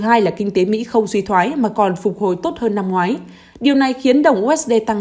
thứ hai là kinh tế mỹ không suy thoái mà còn phục hồi tốt hơn năm ngoái điều này khiến đồng usd tăng